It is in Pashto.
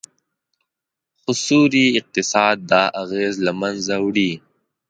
خو سیوري اقتصاد دا اغیز له منځه وړي